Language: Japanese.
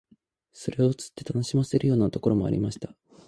それを釣って楽しませるようなところもありました